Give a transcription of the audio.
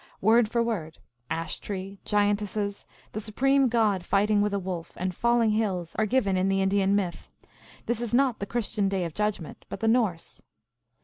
Word for word, ash tree, giantesses, the supreme god fighting with a wolf, and falling hills, are given in the Indian myth. This is not the Christian Day of Judgment, but the Norse.